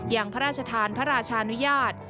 อย่างพระราชทานพระราชานุญาต